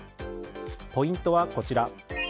ポイントはこちら。